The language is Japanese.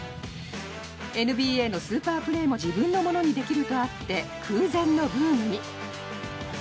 ＮＢＡのスーパープレーも自分のものにできるとあって空前のブームに。